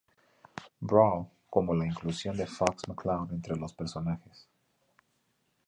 Brawl, como la inclusión de Fox McCloud entre los personajes.